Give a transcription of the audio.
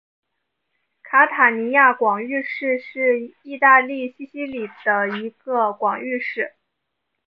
卡塔尼亚广域市是意大利西西里的一个广域市。